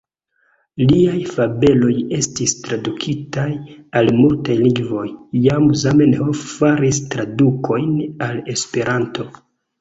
Liaj fabeloj estis tradukitaj al multaj lingvoj; jam Zamenhof faris tradukojn al Esperanto.